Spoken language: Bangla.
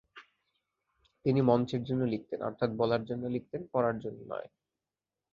তিনি মঞ্চের জন্য লিখতেন, অর্থাৎ বলার জন্য লিখতেন, পড়ার জন্য নয়।